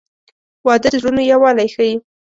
• واده د زړونو یووالی ښیي.